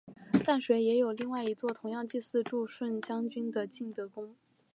淡水也另有一座同样祭祀助顺将军的晋德宫。